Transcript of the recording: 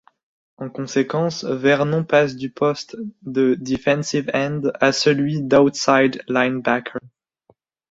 En conséquence, Vernon passe du poste de defensive end à celui d'outside linebacker.